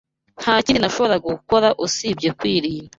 Nta kindi nashoboraga gukora usibye kwirinda.